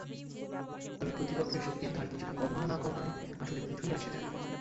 তবে প্রতিপক্ষের শক্তির ধার কিছুটা কমা, না-কমায় আসলে কিছুই আসে যায় না।